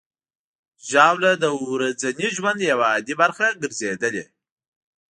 ژاوله د ورځني ژوند یوه عادي برخه ګرځېدلې.